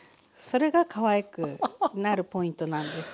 ⁉それがかわいくなるポイントなんです。